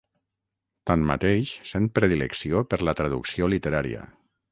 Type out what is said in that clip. Tanmateix sent predilecció per la traducció literària.